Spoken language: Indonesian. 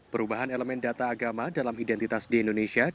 perubahan elemen data agama dalam identitas di indonesia